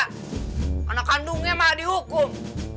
karena kandungnya mah dihukum